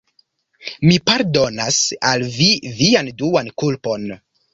Mi pardonas al vi vian duan kulpon.